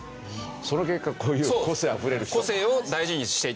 その結果こういう個性あふれる人。